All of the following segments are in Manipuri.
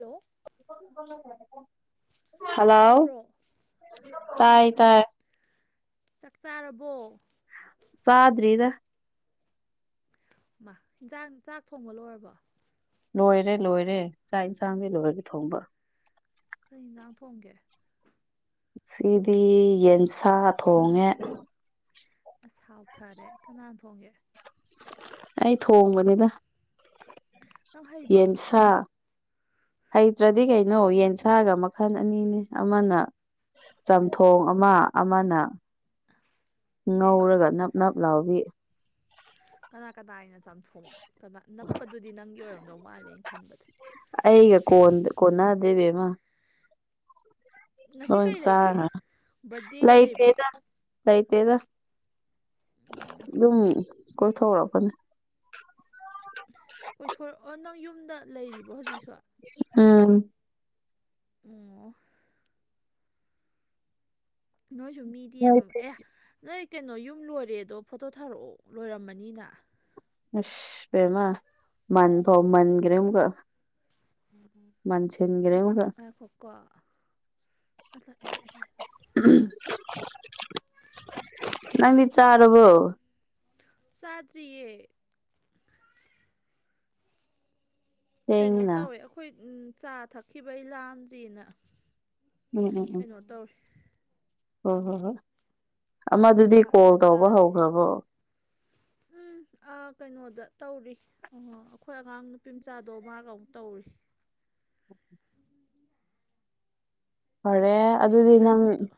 ꯍꯜꯂꯣ [inaudible] ꯍꯜꯂꯣ ꯇꯥꯕ꯭ꯔꯣ ꯇꯥꯏ ꯎꯝ ꯇꯥꯏ ꯆꯥꯛ ꯆꯥꯔꯕꯣ ꯆꯥꯗ꯭ꯔꯤꯗ ꯃꯥ ꯏꯟꯖꯥꯡ ꯆꯥꯛ ꯊꯣꯡꯕ ꯂꯣꯏꯔꯕꯣ ꯂꯣꯏꯔꯦ ꯂꯣꯏꯔꯦ ꯆꯥꯛ ꯏꯟꯁꯥꯡꯗꯤ ꯂꯣꯏꯔꯦ ꯊꯣꯡꯕ ꯀꯩ ꯌꯦꯟꯁꯥꯡ ꯊꯣꯡꯒꯦ ꯁꯤꯗꯤ ꯌꯦꯟꯁꯥ ꯊꯣꯡꯉꯦ ꯑꯁ ꯍꯥꯎꯊꯔꯦ ꯀꯅꯥꯅ ꯊꯣꯡꯒꯦ ꯑꯩ ꯊꯣꯡꯕꯅꯤꯗ ꯅꯪ ꯍꯩꯕ꯭ꯔꯣ ꯌꯦꯟꯁꯥ [inaudible] ꯍꯩꯇ꯭ꯔꯗꯤ ꯀꯩꯅꯣ ꯌꯦꯟꯁꯥꯒ ꯃꯈꯜ ꯑꯅꯤꯅꯦ ꯑꯃꯅ ꯆꯝꯊꯣꯡ ꯑꯃ ꯑꯃꯅ ꯑꯦ ꯉꯧꯔꯒ ꯅꯞ ꯅꯞ ꯂꯥꯎꯕꯤ ꯀꯅꯥ ꯀꯅꯥꯏꯅ ꯆꯝꯊꯣꯡ ꯀꯅꯥ ꯅꯞꯄꯗꯨꯗꯤ ꯅꯪꯒꯤ ꯑꯣꯏꯔꯝꯗꯧ ꯃꯥꯜꯂꯦ ꯑꯩ ꯈꯟꯕꯗ ꯑꯩꯒ ꯀꯣꯟ ꯀꯣꯟꯅꯗꯦ ꯏꯕꯦꯝꯃ ꯉꯁꯤ ꯂꯣꯏ ꯀꯩ ꯂꯩꯒꯦ ꯆꯥꯈ꯭ꯔꯦ ꯕꯔꯗꯦꯒ ꯂꯩꯕ꯭ꯔꯣ ꯂꯩꯇꯦꯗ ꯂꯩꯇꯦꯗ ꯎꯝ ꯗꯨꯝ ꯀꯣꯏꯊꯣꯔꯛꯄꯅꯦ ꯀꯣꯏꯊꯣꯔꯛ ꯑꯣ ꯅꯪ ꯌꯨꯝꯗ ꯂꯩꯔꯤꯕꯣ ꯍꯧꯖꯤꯛꯁꯨ ꯎꯝ ꯑꯣ ꯅꯣꯏꯁꯨ ꯃꯤꯗꯤ ꯍꯣꯏ ꯌꯥꯝꯃ ꯑꯌꯥ ꯅꯣꯏ ꯀꯩꯅꯣ ꯌꯨꯝ ꯂꯣꯏꯔꯦꯗꯣ ꯐꯣꯇꯣ ꯊꯥꯔꯛꯑꯣ ꯂꯣꯏꯔꯝꯃꯅꯤꯅ ꯑꯁ ꯕꯦꯝꯃ ꯃꯟ ꯐꯥꯎ ꯃꯟꯈ꯭ꯔꯦ ꯑꯃꯨꯛꯀ ꯃꯟꯁꯤꯟꯒ꯭ꯔꯦ ꯑꯃꯨꯛꯀ ꯀꯣ [unintelligible] ꯅꯪꯗꯤ ꯆꯥꯔꯕꯣ ꯆꯥꯗ꯭ꯔꯤꯌꯦ ꯀꯩꯅꯣ ꯊꯦꯡꯉꯤꯅ ꯇꯧꯋꯦ ꯑꯩꯈꯣꯏ ꯆꯥ ꯊꯛꯈꯤꯕꯩ ꯂꯥꯝꯗ꯭ꯔꯤꯅ ꯎꯝ ꯎꯝ ꯎꯝ ꯀꯩꯅꯣ ꯇꯧꯔꯤ ꯍꯣꯏ ꯍꯣꯏ ꯍꯣꯏ ꯑꯃꯗꯨꯗꯤ ꯉꯥꯏꯍꯥꯛ ꯀꯣꯜ ꯂꯩꯔ ꯇꯧꯕ ꯆꯥꯔꯁꯦꯅ ꯍꯧꯈ꯭ꯔꯕꯣ ꯎꯝ ꯎꯝ ꯑ ꯀꯩꯅꯣꯗ ꯇꯧꯔꯤ ꯑꯣ ꯑꯩꯈꯣꯏ ꯑꯉꯥꯡ ꯅꯨꯄꯤ ꯃꯆꯥꯗꯣ ꯃꯥꯒ ꯑꯃꯨꯛ ꯇꯧꯔꯤ ꯐꯔꯦ ꯑꯩꯈꯣꯏ ꯁꯤꯗ ꯑꯗꯨꯗꯤ ꯅꯪ ꯂꯩꯕꯗꯣ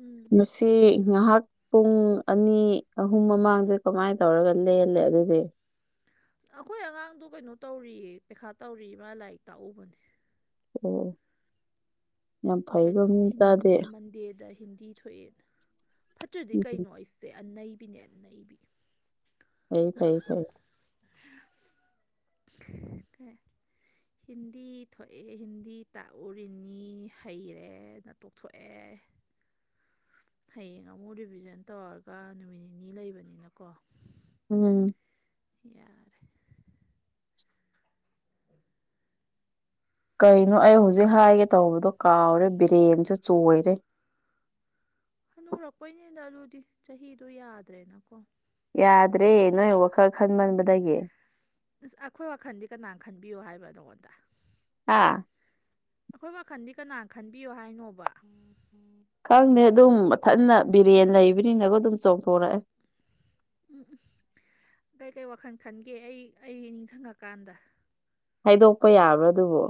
ꯎꯝ ꯉꯁꯤ ꯉꯍꯥꯛ ꯄꯨꯡ ꯑꯅꯤ ꯑꯍꯨꯝ ꯃꯃꯥꯡꯗ ꯀꯃꯥꯏꯅ ꯇꯧꯔꯒ ꯂꯦꯜꯂꯦ ꯑꯗꯨꯗꯤ ꯑꯩꯈꯣꯏ ꯑꯉꯥꯡꯗꯨ ꯀꯩꯅꯣ ꯇꯧꯔꯤꯌꯦ ꯄꯩꯈꯥ ꯇꯧꯔꯤ ꯃꯥ ꯂꯥꯏꯔꯤꯛ ꯇꯥꯛꯎꯕꯅꯦ ꯎꯝ ꯀꯩꯅꯣ ꯃꯟꯗꯦꯗ ꯍꯤꯟꯗꯤ ꯊꯣꯛꯑꯦ ꯐꯠꯇ꯭ꯔꯗꯤ ꯎꯝ ꯀꯩꯅꯣ ꯑꯩꯁꯦ ꯑꯟꯅꯩꯕꯤꯅꯦ ꯑꯟꯅꯩꯕꯤ ꯐꯩ ꯐꯩ ꯐꯩ [unintelligible] ꯍꯤꯟꯗꯤ ꯊꯣꯛꯑꯦ ꯍꯤꯟꯗꯤ ꯇꯥꯛꯎꯔꯤꯅꯤ ꯍꯩꯔꯦ ꯅ ꯇꯣꯛꯊꯣꯛꯑꯦ [inaudible] ꯍꯌꯦꯡ ꯑꯃꯨꯛ ꯔꯤꯚꯤꯖꯟ ꯇꯧꯔꯒ ꯅꯨꯃꯤꯠ ꯅꯤꯅꯤ ꯂꯩꯕꯅꯤꯅꯀꯣ ꯎꯝ ꯌꯥꯔꯦ ꯀꯩꯅꯣ ꯑꯩ ꯍꯧꯖꯤꯛ ꯍꯥꯏꯒꯦ ꯇꯧꯕꯗꯣ ꯀꯥꯎꯔꯦ ꯕꯔꯦꯟꯁꯦ ꯆꯣꯏꯔꯦ ꯍꯅꯨꯔꯛꯄꯩꯅꯤꯗ ꯑꯗꯨꯗꯤ ꯆꯍꯤꯗꯣ ꯌꯥꯗ꯭ꯔꯦꯅꯀꯣ ꯌꯥꯗ꯭ꯔꯦ ꯅꯣꯏ ꯋꯥꯈꯜ ꯈꯟꯃꯟꯕꯗꯒꯤ ꯕꯤꯌꯣ ꯍꯥꯏꯕ꯭ꯔꯥ ꯅꯉꯣꯟꯗ ꯍꯥ ꯑꯩꯈꯣꯏ ꯋꯥꯈꯜꯗꯤ ꯀꯅꯥ ꯈꯟꯕꯤꯌꯣ ꯍꯥꯏꯅꯣꯕ ꯈꯪꯗꯦ ꯑꯗꯨꯝ ꯃꯊꯟꯅ ꯕꯤꯔꯦꯟ ꯂꯩꯕꯅꯤꯅꯀꯣ ꯑꯗꯨꯝ ꯆꯣꯡꯊꯣꯔꯛꯑꯦ ꯎꯝ ꯎꯝ ꯀꯩꯀꯩ ꯋꯥꯈꯜ ꯈꯟꯒꯦ ꯑꯩ ꯑꯩ ꯅꯤꯡꯁꯤꯡꯉꯀꯥꯟꯗ ꯍꯥꯏꯗꯣꯛꯄ ꯌꯥꯕ꯭ꯔꯥ ꯑꯗꯨꯕꯣ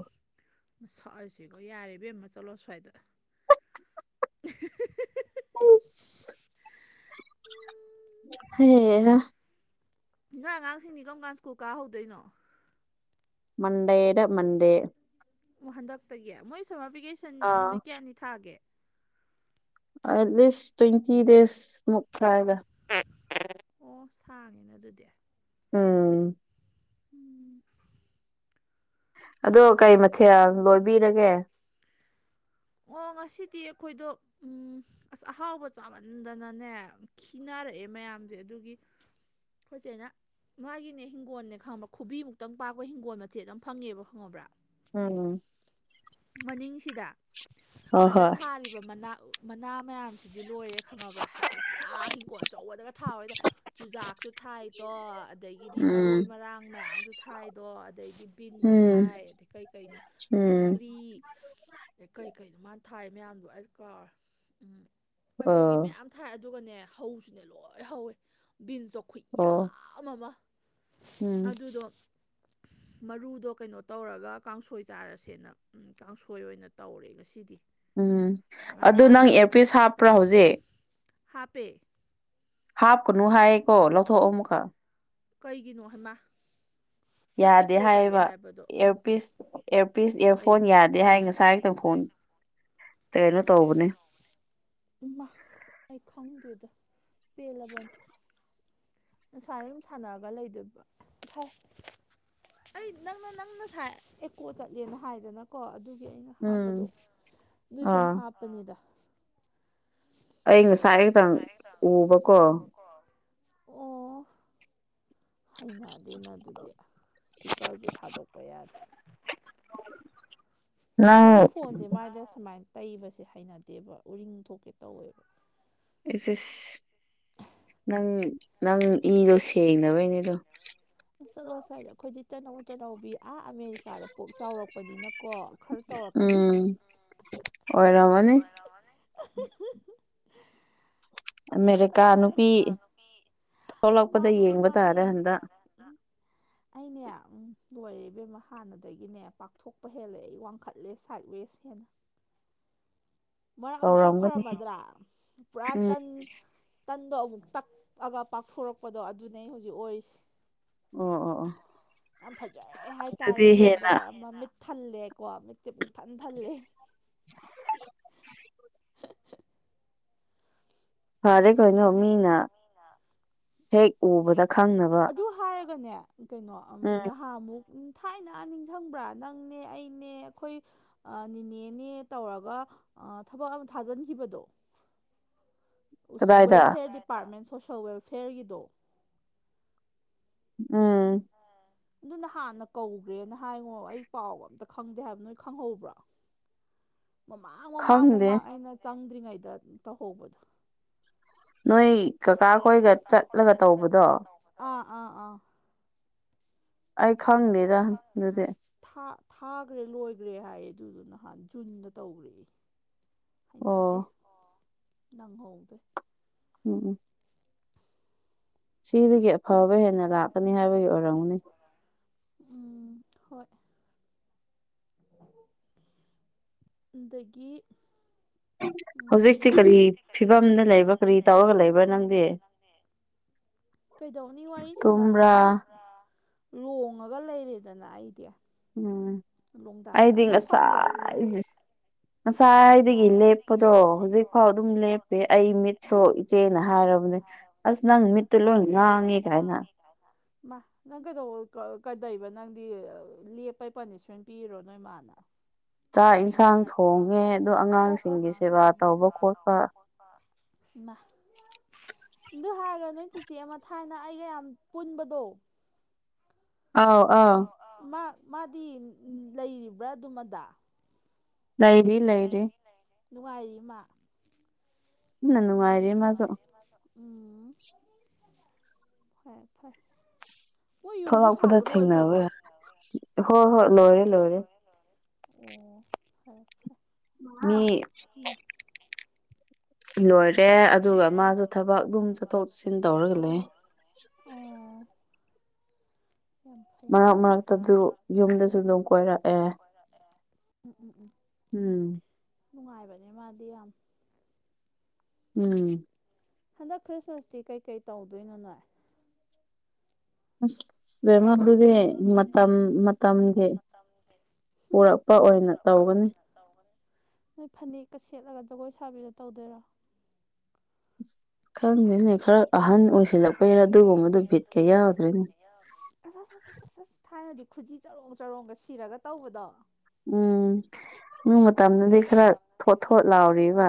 ꯃꯁꯛꯑꯁꯤꯒ ꯌꯥꯔꯦ ꯏꯕꯦꯝꯃ ꯆꯠꯂꯣ ꯑꯁ꯭ꯋꯥꯏꯗ ꯑꯍꯤꯍꯤꯍꯤꯍꯤ ꯑꯁ ꯍꯩꯍꯥ ꯅꯪ ꯑꯉꯥꯡꯁꯤꯡꯗꯤ ꯀꯝ ꯀꯥꯟ ꯁ꯭ꯀꯨꯜ ꯀꯥꯍꯧꯗꯣꯏꯅꯣ ꯃꯟꯗꯦꯗ ꯃꯟꯗꯦ ꯑꯣ ꯍꯟꯗꯛꯇꯒꯤ ꯃꯣꯏ ꯁꯝꯃꯔ ꯚꯦꯀꯦꯁꯟ ꯑꯥ ꯅꯨꯃꯤꯠ ꯀꯌꯥꯅꯤ ꯊꯥꯒꯦ ꯑꯦꯠ ꯂꯤꯁ ꯇ꯭ꯋꯦꯟꯇꯤ ꯗꯦꯁ ꯃꯨꯛ ꯊꯥꯢꯗ ꯑꯣ ꯁꯥꯡꯉꯦꯅ ꯑꯗꯨꯗꯤ ꯎꯝ ꯑꯗꯣ ꯀꯩ ꯃꯊꯦꯜ ꯂꯣꯏꯕꯤꯔꯒꯦ ꯑꯣ ꯉꯁꯤꯗꯤ ꯑꯩꯈꯣꯏꯗꯣ ꯎꯝ ꯑꯁ ꯑꯍꯥꯎꯕ ꯆꯥꯃꯟꯗꯅꯅꯦ ꯈꯤꯅꯔꯛꯑꯦ ꯃꯌꯥꯝ ꯖꯦ ꯑꯗꯨꯒꯤ ꯑꯩꯈꯣꯏ ꯆꯦꯅ ꯃꯥꯒꯤꯅꯦ ꯍꯤꯡꯒꯣꯜꯅꯦ ꯈꯪꯕ ꯈꯨꯕꯤ ꯃꯨꯛꯇꯪ ꯄꯥꯛꯄ ꯍꯤꯡꯒꯣꯜ ꯃꯆꯦꯠ ꯑꯃ ꯐꯪꯉꯦꯕ ꯈꯪꯉꯕ꯭ꯔꯥ ꯎꯝꯝ ꯃꯅꯤꯡꯁꯤꯗ ꯍꯣꯏ ꯑꯗ ꯍꯣꯏ ꯊꯥꯔꯤꯕ ꯃꯅꯥ ꯃꯅꯥ ꯃꯌꯥꯝ ꯁꯤꯗꯤ ꯂꯣꯏꯔꯦ ꯈꯪꯉꯕ꯭ꯔꯥ ꯍꯥꯏꯗꯤ ꯄꯨꯔꯥ ꯍꯤꯡꯈꯣꯜ ꯑꯆꯧꯕꯗꯒ ꯊꯥꯕꯩꯗ ꯆꯨꯖꯥꯛꯁꯨ ꯊꯥꯏ ꯇꯣ ꯑꯗꯒꯤꯗꯤ ꯃꯔꯣꯏ ꯎꯝ ꯃꯔꯥꯡ ꯃꯌꯥꯝꯁꯨ ꯊꯥꯏꯗꯣ ꯑꯗꯩꯗꯤ ꯕꯤꯟꯁ ꯎꯝ ꯊꯥꯏ ꯑꯗꯩ ꯀꯩ ꯀꯩꯅꯣ ꯎꯝ ꯁꯧꯒ꯭ꯔꯤ ꯀꯩ ꯀꯩꯩꯅꯣ ꯃꯥꯅ ꯊꯥꯏ ꯃꯌꯥꯝꯗꯣ ꯑꯩ ꯀꯥꯎꯔꯦ ꯎꯝ ꯑꯗꯨꯒꯤ ꯑꯣ ꯃꯌꯥꯝ ꯊꯥꯏ ꯑꯗꯨꯒꯅꯦ ꯍꯧꯁꯨꯅꯦ ꯂꯣꯏ ꯍꯧꯋꯦ ꯕꯤꯟꯁꯇꯣ ꯑꯣ ꯈꯨꯌꯥꯝ ꯑꯃ ꯎꯝ ꯑꯗꯨꯗꯣ ꯃꯔꯨꯗꯣ ꯀꯩꯅꯣ ꯇꯧꯔꯒ ꯀꯥꯡꯁꯣꯏ ꯆꯥꯔꯁꯦꯅ ꯀꯥꯡꯁꯣꯏ ꯑꯣꯏꯅ ꯇꯧꯔꯦ ꯉꯁꯤꯗꯤ ꯎꯝ ꯑꯗꯨ ꯅꯪ ꯉꯔꯥꯡꯗꯣ ꯑꯦꯌꯥꯔꯄꯤꯁ ꯍꯥꯞꯄ꯭ꯔꯥ ꯍꯧꯖꯤꯛ ꯍꯥꯞꯄꯦ ꯍꯥꯞꯀꯅꯨ ꯍꯥꯏꯌꯦ ꯀꯣ ꯂꯧꯊꯣꯛꯑꯣ ꯑꯃꯨꯛꯀ ꯀꯩꯒꯤꯅꯣ ꯍꯩꯃꯥ ꯅꯪ ꯌꯥꯗꯦ ꯑꯦꯀꯣ ꯆꯠꯂꯦ ꯍꯥꯏꯌꯦꯕ ꯍꯥꯏꯕꯗꯣ ꯏꯌꯥꯔꯄꯤꯁ ꯏꯌꯥꯔꯄꯤꯁ ꯏꯌꯥꯔꯐꯣꯟ ꯀꯩꯅꯣ ꯌꯥꯗꯦ ꯍꯥꯏ ꯉꯁꯥꯏ ꯈꯛꯇ ꯐꯣꯟ [inaudible] ꯀꯩꯅꯣ ꯇꯧꯕꯅꯦ ꯑꯩ ꯈꯪꯗꯦꯗꯣ ꯄꯦꯜꯂꯕꯅꯤ ꯁꯨꯃꯥꯏꯅ ꯑꯗꯨꯝ ꯁꯥꯟꯅꯔꯒ ꯂꯩꯗꯣꯏꯕ ꯐꯩ ꯑꯩ ꯅꯪꯅ ꯅꯪꯅ ꯁꯥꯢ ꯑꯦꯀꯣ ꯆꯠꯂꯦꯅ ꯍꯥꯏꯗꯅꯀꯣ ꯑꯗꯨ ꯒꯤ ꯑꯩꯅ ꯍꯥꯞꯄꯗꯣ ꯎꯝ ꯑꯗꯨ ꯁꯨꯝ ꯑꯥ ꯍꯥꯞꯄꯅꯤꯗ ꯑꯩ ꯉꯥ ꯑꯩ ꯉꯁꯥꯢꯈꯛꯇꯪ ꯎꯕꯀꯣ ꯑꯣ ꯍꯩꯅꯗꯦꯅ ꯑꯗꯨꯗꯤ ꯏꯁꯄꯤꯀꯔꯁꯨ ꯊꯥꯗꯣꯛꯄ ꯌꯥꯗꯦ [inaudible] [inaudible] ꯑꯩꯗꯤ ꯅꯪ ꯐꯣꯟꯁꯦ ꯃꯥꯢꯗ ꯁꯨꯃꯥꯏꯅ ꯇꯩꯕꯁꯦ ꯍꯩꯅꯗꯦꯕ ꯎꯔꯤꯡ ꯊꯣꯛꯀꯦ ꯇꯧꯋꯦꯕ ꯑꯦꯁ ꯑꯦꯁ ꯅꯪ ꯅꯪ ꯏꯗꯣ ꯁꯦꯡꯅꯕꯩꯅꯦꯗꯣ ꯆꯠꯂꯣ ꯑꯁ꯭ꯋꯥꯏꯗ ꯑꯩꯈꯣꯏꯗꯤ ꯇꯅꯧ ꯇꯅꯧꯕꯤ ꯑꯥ ꯑꯃꯦꯔꯤꯀꯥꯗ ꯄꯣꯛ ꯆꯥꯎꯔꯛꯄꯅꯤꯅꯀꯣ ꯈꯔ ꯇꯧꯔꯛꯀꯅꯤ ꯎꯝ [unintelligible] ꯑꯃꯦꯔꯤꯀꯥ ꯅꯨꯄꯤ ꯊꯣꯛꯂꯛꯄꯗ ꯃꯥꯅꯦ ꯌꯦꯡꯕ ꯃꯥꯅꯦ ꯇꯥꯔꯦ ꯍꯟꯗꯛ [inaudible] ꯑꯩꯅꯦ ꯂꯣꯏꯔꯦ ꯏꯕꯦꯝꯃ ꯍꯥꯟꯅꯗꯒꯤꯅꯦ ꯄꯥꯛꯊꯣꯛꯄ ꯍꯦꯜꯂꯦ ꯑꯩ ꯋꯥꯡꯈꯠꯂꯦ ꯁꯥꯏꯠ ꯋꯦꯁ ꯍꯦꯟꯅ [inaudible] ꯃꯔꯛ ꯑꯃ ꯈꯔ ꯇꯧꯔꯝꯒꯅꯤ ꯐꯔꯝꯃꯗ꯭ꯔꯥ ꯄꯨꯔꯥ ꯎꯝ ꯇꯟ ꯇꯟꯗꯣ ꯑꯃꯨꯛ ꯇꯛꯑꯒ ꯄꯥꯛꯊꯣꯔꯛꯄꯗꯣ ꯑꯗꯨꯅꯦ ꯑꯩ ꯍꯧꯖꯤꯛ ꯑꯣꯏꯔꯤꯁꯦ ꯑꯣ ꯑꯣ ꯑꯣ ꯌꯥꯝ ꯐꯖꯔꯦ ꯍꯥꯏꯇꯥꯔꯦ ꯑꯗꯨꯗꯤ ꯍꯦꯟꯅ ꯌꯦꯡꯕꯗ ꯃꯃꯤꯠ ꯊꯜꯂꯦꯀꯣ ꯃꯤꯠꯁꯦ ꯄꯨꯡꯊꯟ ꯊꯜꯂꯦ [unintelligible] ꯐꯔꯦ ꯀꯩꯅꯣ ꯃꯤꯅ ꯍꯦꯛ ꯎꯕꯗ ꯈꯪꯅꯕ ꯀꯅꯦ ꯀꯩꯅꯣ ꯎꯝ ꯅꯍꯥꯃꯨꯛ ꯊꯥꯏꯅ ꯅꯤꯡꯖꯪꯕ꯭ꯔꯥ ꯅꯪꯅꯦ ꯑꯩꯅꯦ ꯑꯩꯈꯣꯏ ꯑꯥ ꯅꯤꯅꯦꯅꯦ ꯇꯧꯔꯒ ꯑꯥ ꯊꯕꯛ ꯑꯃ ꯊꯥꯖꯤꯟꯈꯤꯕꯗꯣ ꯎꯁ ꯀꯗꯥꯏꯗ ꯋꯦꯜꯐꯤꯌꯔ ꯗꯤꯄꯥꯔꯠꯃꯦꯟ ꯁꯣꯁꯦꯜ ꯋꯦꯜꯐꯤꯌꯔꯒꯤꯗꯣ ꯎꯝ ꯑꯗꯨ ꯅꯍꯥꯟꯅ ꯀꯧꯒ꯭ꯔꯦꯅ ꯍꯥꯏꯉꯣ ꯑꯩ ꯄꯥꯎ ꯑꯝꯇ ꯈꯪꯗꯦ ꯍꯥꯏꯕ ꯅꯣꯏ ꯈꯪꯍꯧꯕ꯭ꯔꯣ ꯃꯃꯥꯡ ꯃꯃꯥꯡ ꯈꯪꯗꯦ ꯃꯃꯥꯡ ꯑꯩꯅ ꯆꯪꯗ꯭ꯔꯤꯉꯩꯗ ꯇꯧꯍꯧꯕꯗꯣ ꯅꯣꯏ ꯀꯀꯥ ꯈꯣꯏꯒ ꯆꯠꯂꯒ ꯇꯧꯕꯗꯣ ꯑꯥ ꯑꯥ ꯑꯩ ꯈꯪꯗꯦꯗ ꯑꯗꯨꯗꯤ ꯊꯥ ꯊꯥꯈ꯭ꯔꯦ ꯂꯣꯏꯈ꯭ꯔꯦ ꯍꯥꯏꯌꯦ ꯑꯗꯨꯗꯨ ꯅꯍꯥꯟ ꯖꯨꯟꯗ ꯇꯧꯈ꯭ꯔꯦꯌꯦ ꯑꯣ ꯍꯩꯅꯗꯦ ꯅꯪꯍꯧꯗꯦ ꯎꯝ ꯎꯝ ꯍꯥꯏ ꯁꯤꯗꯒꯤ ꯑꯐꯕ ꯍꯦꯟꯅ ꯂꯥꯛꯀꯅꯤ ꯍꯥꯏꯕꯒꯤ ꯑꯣꯏꯔꯝꯅꯤ ꯍꯨꯝ ꯍꯣꯏ ꯑꯗꯒꯤ ꯍꯧꯖꯤꯛꯇꯤ ꯎꯝ ꯀꯔꯤ ꯐꯤꯕꯝꯗ ꯂꯩꯕ꯭ꯔꯥ ꯀꯔꯤ ꯇꯧꯔꯒ ꯂꯩꯕ꯭ꯔꯥ ꯅꯪꯗꯤ ꯀꯩꯗꯧꯅꯤ ꯋꯥꯔꯤ ꯇꯨꯝꯕ꯭ꯔꯥ ꯁꯥꯟꯅꯝꯅꯤꯅ ꯂꯣꯡꯉꯒ ꯂꯩꯔꯦ ꯗꯅ ꯑꯩꯗꯤ ꯎꯝ ꯑꯩꯗꯤ ꯂꯣꯡꯗꯥꯇ ꯅꯪ ꯐꯝꯕ꯭ꯔꯣ ꯉꯁꯥꯏ ꯉꯁꯥꯏꯗꯒꯤ ꯂꯦꯞꯄꯗꯣ ꯍꯧꯖꯤꯛ ꯐꯥꯎ ꯑꯗꯨꯝ ꯂꯦꯞꯄꯦ ꯑꯩ ꯃꯤꯠꯇꯣ ꯏꯆꯦꯅ ꯍꯥꯏꯔ ꯇꯕꯅꯦ ꯑꯁ ꯅꯪ ꯃꯤꯠꯇꯨ ꯂꯣꯏ ꯉꯥꯡꯉꯦ ꯀꯥꯏꯅ ꯃꯥ ꯅꯪ ꯀꯩꯗꯧꯑꯣ ꯀ ꯀꯩꯗꯣꯏꯕ ꯅꯪꯗꯤ ꯂꯦꯞꯄ ꯄꯅꯤꯁꯃꯦꯟ ꯄꯤꯔꯣ ꯅꯣꯏ ꯃꯥꯅ ꯆꯥꯛ ꯌꯦꯟꯁꯥꯡ ꯊꯣꯡꯉꯦ ꯑꯗꯨ ꯑꯉꯥꯡꯁꯤꯡꯒꯤ ꯁꯦꯕꯥ ꯇꯧꯕ ꯈꯣꯠꯄ ꯏꯃꯥ [inaudible] ꯑꯗꯨ ꯍꯥꯏꯔꯒ ꯅꯣꯏ ꯆꯤꯆꯦ ꯑꯃ ꯊꯥꯏꯅ ꯑꯩꯒ ꯌꯥꯝ ꯄꯨꯟꯕꯗꯣ ꯑꯥꯎ ꯑꯥ ꯃꯥ ꯃꯥꯗꯤ ꯂꯩꯔꯤꯕ꯭ꯔꯥ ꯑꯗꯨꯝ ꯑꯗꯥ ꯂꯩꯔꯤ ꯂꯩꯔꯤ ꯅꯨꯡꯉꯥꯏꯔꯤ ꯃꯥ ꯐꯖꯅ ꯅꯨꯡꯉꯥꯏꯔꯤ ꯃꯥꯁꯨ ꯎꯝ ꯐꯔꯦ ꯐꯔꯦ ꯃꯣꯏ ꯌꯨꯝꯁꯨ ꯊꯣꯛꯂꯛꯄꯗ ꯁꯥꯕ ꯂꯣꯏꯈ꯭ꯔꯕꯣ ꯊꯦꯡꯅꯕ ꯑꯣ ꯍꯣꯏ ꯍꯣꯏ ꯂꯣꯏꯔꯦ ꯂꯣꯏꯔꯦ ꯑꯣ ꯐꯔꯦ ꯐꯔꯦ ꯃꯤ ꯂꯣꯏꯔꯦ ꯑꯦ ꯑꯗꯨꯒ ꯃꯥꯁꯨ ꯊꯕꯛ ꯑꯗꯨꯝ ꯆꯠꯊꯣꯛ ꯆꯠꯁꯤꯟ ꯇꯧꯔꯒ ꯂꯩ ꯎꯝ ꯑꯣ ꯌꯥꯝ ꯃꯔꯛ ꯐꯩꯅꯦ ꯃꯔꯛꯇꯗꯨ ꯌꯨꯝꯗꯁꯨ ꯑꯗꯨꯝ ꯀꯣꯏꯔꯛꯑꯦ ꯎꯝ ꯎꯝ ꯎꯝ ꯎꯝ ꯅꯨꯡꯉꯥꯏꯕꯅꯦ ꯃꯥꯗꯤ ꯌꯥꯝ ꯎꯝ ꯍꯟꯗꯛ ꯈ꯭ꯔꯤꯁꯃꯥꯁꯇꯤ ꯀꯩꯀꯩ ꯇꯧꯗꯣꯏꯅꯣ ꯅꯣꯏ [unintelligible] ꯄꯨꯔꯛꯄ ꯑꯣꯏꯅ ꯇꯧꯒꯅꯤ ꯅꯣꯏ ꯐꯅꯦꯛꯀ ꯁꯦꯠꯂꯒ ꯖꯒꯣꯏ ꯁꯥꯕꯤꯗꯣ ꯇꯧꯗꯣꯏꯔꯣ ꯈꯪꯗꯦꯅꯦ ꯈꯔ ꯑꯍꯟ ꯑꯣꯏꯁꯤꯟ [unintelligible] ꯈꯨꯖꯤ ꯆꯔꯣꯡ ꯆꯔꯣꯡꯒ ꯁꯤꯔꯒ ꯇꯧꯕꯗꯣ ꯎꯝ ꯅꯨꯡ ꯃꯇꯝꯗꯗꯤ ꯈꯔ ꯊꯣꯠ ꯊꯣꯠ ꯂꯥꯎꯔꯤꯕ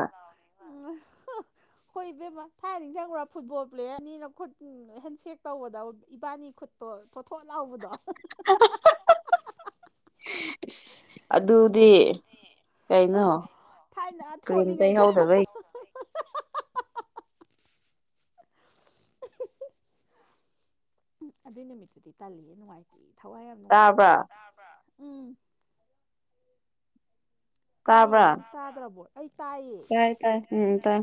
ꯎꯝ ꯍꯥ ꯍꯣꯏ ꯏꯕꯦꯝꯃ ꯊꯥꯏꯅ ꯅꯤꯡꯖꯪꯕ꯭ꯔꯥ ꯐꯨꯠꯕꯣꯜ ꯄ꯭ꯂꯦꯌꯔ ꯑꯅꯤꯅ ꯈꯨꯠ ꯍꯦꯟꯁꯦꯛ ꯇꯧꯕꯗ ꯏꯕꯥꯅꯤ ꯈꯨꯠꯇꯣ ꯊꯣꯠꯊꯣꯠ ꯂꯥꯎꯕꯗꯣ ꯏꯁ ꯑꯗꯨꯗꯤ ꯀꯩꯅꯣ ꯊꯥꯏꯅ ꯀ꯭ꯔꯤꯝ ꯊꯣꯛꯂꯤꯉꯩꯗ ꯇꯩꯍꯧꯗꯕꯩ ꯍꯥꯍꯥꯍꯥ ꯎꯝ ꯑꯗꯨꯏ ꯅꯨꯃꯤꯠꯇꯨꯗꯤ ꯇꯜꯂꯤꯍꯦ ꯅꯨꯡꯉꯥꯏꯇꯦ ꯊꯋꯥꯏ ꯌꯥꯝ ꯅꯨꯡꯉꯥꯏꯇꯦ ꯇꯥꯕ꯭ꯔꯥ ꯑꯩ ꯇꯕꯔꯥ ꯇꯥꯏꯌꯦ ꯇꯥꯕ꯭ꯔꯥ ꯅꯪ ꯇꯥꯗ꯭ꯔꯕꯣ ꯑꯩ ꯇꯥꯏꯌꯦ ꯇꯥꯏ ꯇꯥꯏ ꯎꯝꯎꯝ ꯇꯥꯏ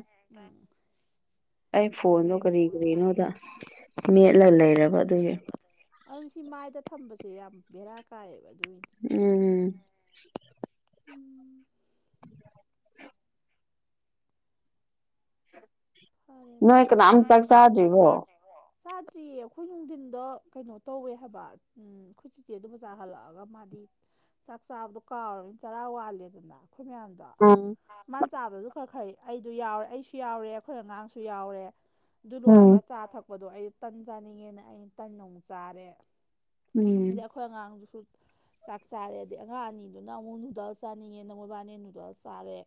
ꯑꯩ ꯇꯥꯏ ꯐꯣꯟꯗꯣ ꯀꯔꯤ ꯀꯔꯤꯅꯣꯗ ꯃꯦꯠꯂꯒ ꯂꯩꯔꯕ ꯑꯗꯨꯒꯤ ꯑꯗꯨ ꯁꯤ ꯃꯥꯏꯗ ꯊꯝꯕꯁꯦ ꯌꯥꯝ ꯕꯦꯔꯥ ꯀꯥꯏꯑꯦꯕ ꯎꯝ ꯎꯝ ꯅꯣꯏ ꯀꯅꯥꯝ ꯆꯥꯛ ꯆꯥꯗ꯭ꯔꯤꯕꯣ [unintelligible] ꯆꯥꯗ꯭ꯔꯤꯌꯦ ꯑꯩꯈꯣꯏ ꯅꯨꯡꯊꯤꯟꯗꯣ ꯀꯩꯅꯣ ꯇꯧꯋꯦ ꯍꯥꯏꯕ ꯎꯝ ꯑꯩꯈꯣꯏ ꯆꯤꯆꯦꯗꯨ ꯕꯖꯥꯔ ꯍꯜꯂꯛꯑꯒ ꯃꯥꯗꯤ ꯆꯥꯛ ꯆꯥꯕꯗꯣ ꯀꯥꯎꯔꯝꯅꯤꯅ ꯆꯔꯥ ꯋꯥꯠꯂꯦꯗꯅ ꯑꯩꯈꯣꯏ ꯃꯌꯥꯝꯗꯣ ꯎꯝ ꯃꯥꯅ ꯆꯥꯕꯗꯁꯨ ꯈꯔ ꯈꯩ ꯑꯩꯗꯣ ꯌꯥꯎꯔꯦ ꯑꯩꯁꯨ ꯌꯥꯎꯔꯦ ꯑꯩꯈꯣꯏ ꯑꯉꯥꯡꯁꯨ ꯌꯥꯎꯔꯦ ꯑꯗꯨ ꯂꯣꯏꯔꯒ ꯎꯝ ꯆꯥ ꯊꯛ ꯄꯗꯣ ꯑꯩꯁꯨ ꯇꯟ ꯆꯥꯅꯤꯡꯉꯦꯅ ꯑꯩꯅ ꯇꯟ ꯑꯃꯨꯛ ꯆꯥꯔꯦ ꯗꯨꯗꯤ ꯎꯝ ꯑꯩꯈꯣꯏ ꯑꯉꯥꯡꯗꯨꯁꯨ ꯆꯥꯛ ꯆꯥꯔꯦꯗꯤ ꯑꯉꯥꯡ ꯑꯅꯤꯗꯨꯅ ꯑꯃꯨꯛ ꯅꯨꯗꯜ ꯆꯥꯅꯤꯡꯉꯦꯅ ꯃꯣꯏꯕꯥꯅꯤ ꯅꯨꯗꯜꯁ ꯆꯥꯔꯦ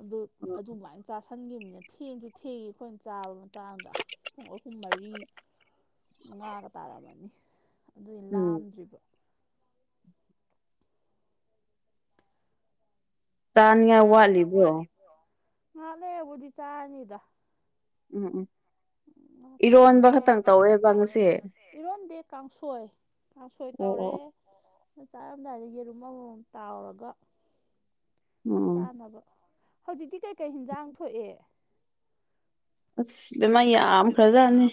ꯑꯗꯨ ꯑꯗꯨꯃꯥꯏꯟ ꯆꯥꯁꯟ ꯈꯟꯈꯤꯕꯅꯦ ꯊꯦꯡꯁꯨ ꯊꯦꯡꯉ ꯑꯩꯈꯣꯏꯅ ꯆꯥꯕ ꯃꯇꯥꯡꯗ ꯄꯨꯡ ꯑꯍꯨꯝ ꯃꯔꯤ ꯉꯥꯒ ꯇꯥꯔꯝꯃꯅꯤ ꯑꯗꯨꯒꯤ ꯎꯝ ꯂꯥꯝꯗ꯭ꯔꯤꯕ ꯇꯥꯅꯤꯉꯥꯏ ꯋꯥꯠꯂꯤꯕ꯭ꯔꯣ ꯉꯍꯥꯛꯂꯩꯔꯕꯨꯗꯤ ꯆꯥꯔꯅꯤꯗ ꯎꯝ ꯎꯝ ꯉꯥꯏꯍꯥꯛꯇꯪ ꯁꯨꯝ ꯏꯔꯣꯟꯕ ꯀꯩꯅꯣ ꯈꯛꯇꯪ ꯇꯧꯋꯦꯕ ꯉꯁꯤ ꯏꯔꯣꯟꯗꯦ ꯀꯥꯡꯁꯣꯏ ꯀꯥꯡꯁꯣꯏ ꯑꯣ ꯇꯧꯔꯦ ꯑꯣ ꯑꯥ ꯆꯥꯔꯝꯗꯥꯏꯗ ꯌꯦꯔꯨꯝ ꯑꯃꯃꯝ ꯇꯥꯎꯔꯒ ꯎꯝ ꯆꯥꯅꯕ ꯍꯧꯖꯤꯛꯇꯤ ꯀꯩꯀꯩ ꯍꯤꯟꯖꯥꯡ ꯊꯣꯛꯑꯦ ꯑꯁ ꯗꯃꯥ ꯌꯥꯝꯈ꯭ꯔꯖꯅꯦ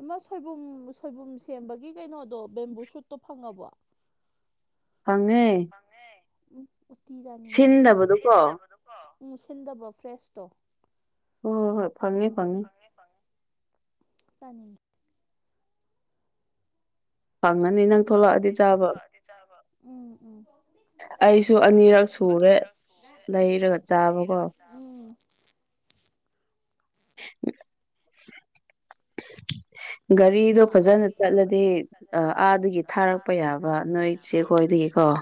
ꯑꯃ ꯁꯣꯏꯕꯨꯝ ꯁꯣꯏꯕꯨꯝ ꯁꯦꯝꯕꯒꯤ ꯀꯩꯅꯣꯗꯣ ꯕꯦꯝꯕꯨ ꯁꯨꯠꯇꯣ ꯐꯪꯉꯕꯣ ꯐꯪꯉꯦ ꯎꯝ ꯎꯠꯇꯤ ꯆꯥꯅꯤꯡꯉꯦ ꯑꯗꯨꯗꯤ ꯁꯤꯟꯗꯕꯗꯨꯀꯣ ꯎꯝ ꯁꯤꯟꯗꯕ ꯐ꯭ꯔꯦꯁꯇꯣ ꯍꯣ ꯍꯣ ꯍꯣꯏ ꯐꯪꯉꯦ ꯐꯪꯉꯤ ꯆꯅꯤꯉꯦ ꯐꯪꯉꯅꯤ ꯅꯪ ꯑꯗꯨ ꯊꯣꯛꯂꯛꯑꯗꯤ ꯐꯪꯉꯅꯤ ꯅꯪ ꯆꯥꯕ ꯊꯣꯛꯂꯛꯑꯗꯤ ꯆꯥꯕ ꯑꯩꯁꯨ ꯑꯅꯤꯔꯛ ꯁꯨꯔꯦ ꯂꯩꯔꯒ ꯆꯥꯕꯀꯣ ꯂꯩꯔꯒ ꯆꯥꯕ ꯒꯥꯔꯤꯗꯣ ꯐꯖꯅ ꯆꯠꯂꯗꯤ ꯑ ꯑꯥꯗꯒꯤ ꯊꯥꯔꯛꯄ ꯌꯥꯕ ꯅꯣꯏ ꯆꯦꯈꯣꯏꯗꯒꯤꯀꯣ ꯑꯣ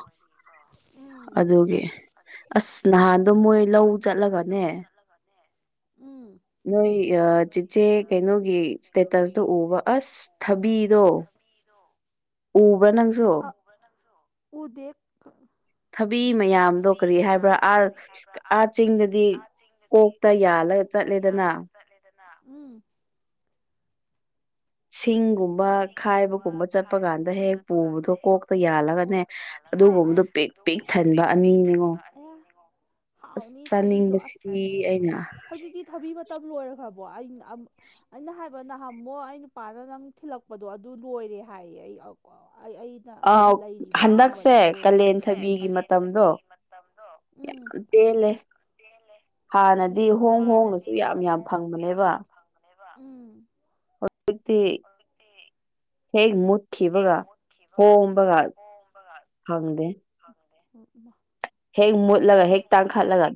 ꯎꯝ ꯑꯗꯨꯒꯤ ꯑꯁ ꯅꯍꯥꯟꯗꯣ ꯃꯣꯏ ꯂꯧ ꯆꯠꯂꯒꯅꯦ ꯎꯝ ꯅꯣꯏ ꯆꯤꯆꯦ ꯀꯩꯅꯣꯒꯤ ꯏꯁꯇꯦꯇꯁꯇꯣ ꯎꯕ ꯑꯁ ꯊꯕꯤꯗꯣ ꯎꯕ꯭ꯔꯥ ꯅꯪꯁꯨ ꯎ ꯗꯦ ꯕꯤ ꯃꯌꯥꯝꯗꯣ ꯀꯔꯤ ꯍꯥꯏꯕ꯭ꯔꯥ ꯑꯥ ꯑꯥ ꯆꯤꯡꯗꯗꯤ ꯀꯣꯛꯇ ꯌꯥꯜꯂꯒ ꯆꯠ ꯀꯣꯛꯇ ꯌꯥꯜꯂꯒ ꯆꯠꯂꯤꯗꯅ ꯎꯝ ꯁꯤꯡ ꯨꯒꯨꯝꯕ ꯈꯥꯏꯕꯒꯨꯝꯕ ꯆꯠꯄ ꯀꯥꯟꯗ ꯍꯦꯛ ꯄꯨꯕꯗꯣ ꯀꯣꯛꯇ ꯌꯥꯜꯂꯒꯅꯦ ꯑꯗꯨꯒꯨꯝꯕꯗꯣ ꯄꯤꯛ ꯄꯤꯛ ꯊꯟꯕ ꯑꯅꯤ ꯅꯤꯉꯣ ꯑꯁ ꯍꯥꯎꯅꯤ ꯊꯕꯤꯗꯣ ꯆꯥꯅꯤꯡꯕꯁꯤꯗꯤ ꯑꯩꯅ ꯇꯝ ꯂꯣꯏꯔꯈ꯭ꯔꯕꯣ ꯑꯩ ꯑꯟ ꯑꯩꯅ ꯍꯥꯏꯕ ꯅꯍꯝꯃꯨꯛ ꯑꯩ ꯅꯨꯄꯥꯗ ꯅꯪ ꯊꯤꯜꯂꯛ ꯄꯗꯣ ꯑꯗꯨ ꯂꯣꯏꯔꯦ ꯍꯥꯏꯌꯦ ꯑꯩ [unintelligible] ꯑ ꯂꯩꯔꯤꯕ꯭ꯔꯥ ꯍꯟꯗꯛꯁꯦ ꯍꯪꯕꯗ ꯂꯣꯏꯔꯦ ꯀꯥꯂꯦꯟ ꯊꯕꯤꯒꯤ ꯃꯇꯝꯗꯣ ꯌꯥꯝ ꯎꯝ ꯇꯦꯜꯂꯦ ꯍꯥꯟꯅꯗꯤ ꯑꯌꯥ ꯍꯣꯡ ꯍꯣꯡꯅꯁꯨ ꯌꯥꯝ ꯌꯥꯝ ꯐꯪꯕꯅꯦꯕ ꯎꯝ ꯗꯛꯇꯤ ꯍꯦꯛ ꯃꯨꯠ ꯈꯤꯕꯒ ꯍꯣꯝꯕꯒ ꯐꯪꯗꯦ ꯎꯝ ꯃꯥ ꯍꯦꯛ ꯇꯜꯂꯤ ꯃꯨꯠꯂꯒ ꯍꯦꯛ ꯇꯥꯡꯈꯠꯂꯒ ꯑ